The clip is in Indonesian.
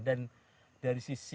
dan dari sisi